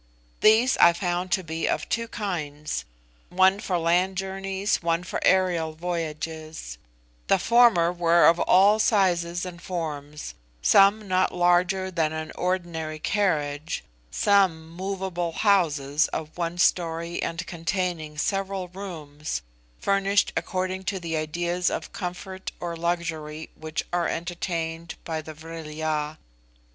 These I found to be of two kinds, one for land journeys, one for aerial voyages: the former were of all sizes and forms, some not larger than an ordinary carriage, some movable houses of one story and containing several rooms, furnished according to the ideas of comfort or luxury which are entertained by the Vril ya.